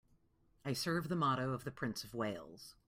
I serve the motto of the Prince of Wales.